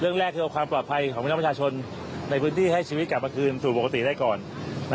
เรื่องแรกคือเอาความปลอดภัยของพี่น้องประชาชนในพื้นที่ให้ชีวิตกลับมาคืนสู่ปกติได้ก่อน